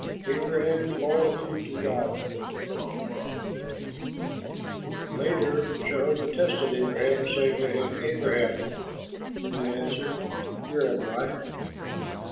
ABRAHAM'S LOYALTY TO GOD Later Jehovah tested Abraham, saying to him, "Abraham"; and he answered, "Here am I."